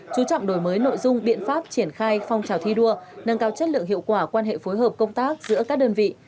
chú trọng đổi mới nội dung biện pháp triển khai phong trào thi đua nâng cao chất lượng hiệu quả quan hệ phối hợp công tác giữa các đơn vị